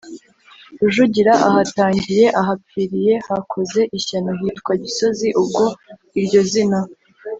rujugira ahatangiye( ahapfiriye) hakoze ishyano hitwa gisozi ubwo iryo zina